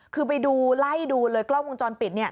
คือไปดูไล่ดูเลยกล้องวงจรปิด